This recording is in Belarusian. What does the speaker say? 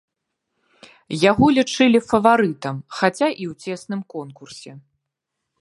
Яго лічылі фаварытам, хаця і ў цесным конкурсе.